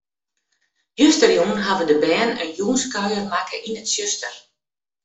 Justerjûn hawwe de bern in jûnskuier makke yn it tsjuster.